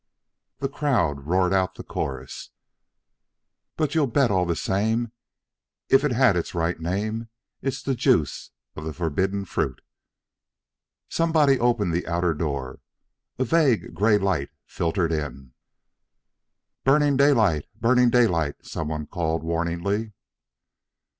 The crowd roared out the chorus: "But you bet all the same If it had its right name It's the juice of the forbidden fruit." Somebody opened the outer door. A vague gray light filtered in. "Burning daylight, burning daylight," some one called warningly.